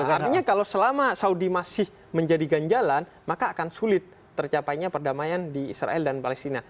artinya kalau selama saudi masih menjadi ganjalan maka akan sulit tercapainya perdamaian di israel dan palestina